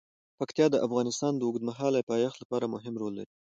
پکتیا د افغانستان د اوږدمهاله پایښت لپاره مهم رول لري.